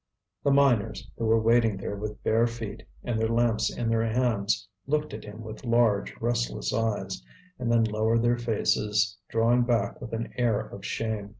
The miners, who were waiting there with bare feet and their lamps in their hands, looked at him with large restless eyes, and then lowered their faces, drawing back with an air of shame.